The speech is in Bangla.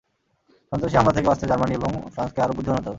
সন্ত্রাসী হামলা থেকে বাঁচতে জার্মানি এবং ফ্রান্সকে আরও বুদ্ধিমান হতে হবে।